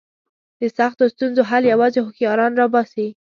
د سختو ستونزو حل یوازې هوښیاران را باسي.